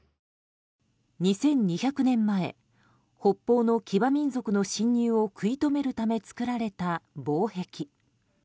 ２２００年前北方の騎馬民族の侵入を食い止めるため作られた防壁。